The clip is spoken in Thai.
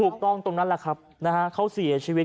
ถูกต้องตรงนั้นแหละครับเขาเสียชีวิต